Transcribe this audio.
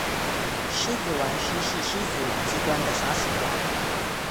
獅子丸師事獅子王機關的紗矢華